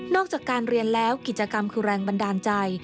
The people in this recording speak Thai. จากการเรียนแล้วกิจกรรมคือแรงบันดาลใจ